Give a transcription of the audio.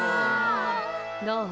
どう？